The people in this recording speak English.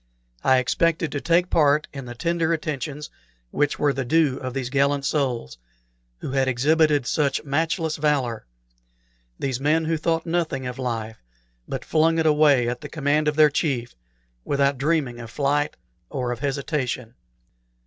I expected to take a part in the tender attentions which were the due of these gallant souls, who had exhibited such matchless valor; these men who thought nothing of life, but flung it away at the command of their chief without dreaming of flight or of hesitation.